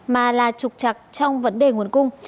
mà là trục trặc trong vấn đề nguồn cung